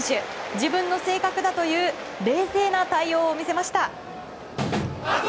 自分の性格だという冷静な対応を見せました。